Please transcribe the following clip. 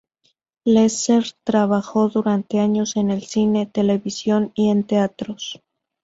Lesser trabajó durante años en el cine, televisión y en teatros.